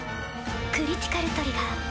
クリティカルトリガー。